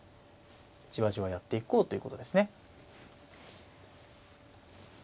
じわじわやっていこうということですね。